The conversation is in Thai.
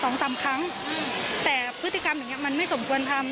สองสามครั้งแต่พฤติกรรมอย่างเงี้มันไม่สมควรทำ